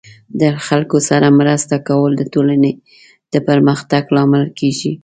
د خلکو سره مرسته کول د ټولنې د پرمختګ لامل کیږي.